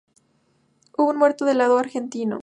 Hubo un muerto del lado argentino.